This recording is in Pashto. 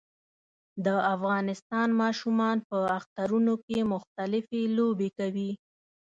د افغانستان ماشومان په اخترونو کې مختلفي لوبې کوي